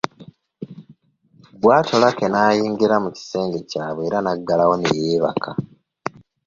Bw’atyo Lucky n’ayingira mu kisenge kyabwe era n’aggalawo ne yeebaka.